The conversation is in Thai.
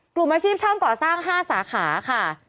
กลุ่มอาชีพช่างก่อสร้าง๕สาขาค่ะ